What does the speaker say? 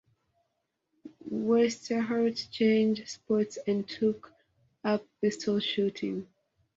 Westerhout changed sports and took up pistol shooting.